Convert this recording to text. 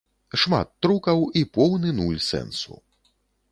Шмат трукаў і поўны нуль сэнсу.